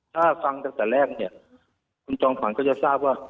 ถ้าฟังตั้งแต่แรกคลุมจองฐานก็จะทราบว่า